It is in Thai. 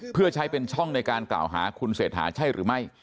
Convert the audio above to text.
เพื่อใช้เป็นช่องในการกล่าวหาคุณเศรษฐาใช่หรือไม่